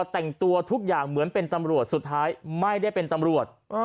แต่งตัวทุกอย่างเหมือนเป็นตำรวจสุดท้ายไม่ได้เป็นตำรวจ